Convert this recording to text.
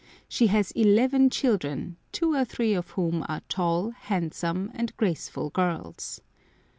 She has eleven children, two or three of whom are tall, handsome, and graceful girls.